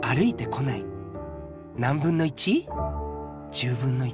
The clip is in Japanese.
１０分の１。